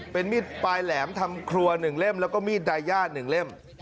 เป็นมีดปลายแหลมทำครัว๑เล่มแล้วก็มีดดายญาติ๑เล่ม